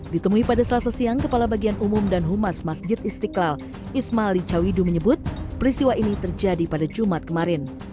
ditemui pada selasa siang kepala bagian umum dan humas masjid istiqlal ismal licawidu menyebut peristiwa ini terjadi pada jumat kemarin